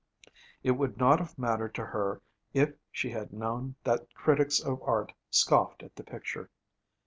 It would not have mattered to her if she had known that critics of art scoffed at the picture.